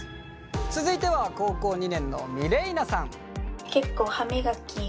続いては高校２年のミレイナさん。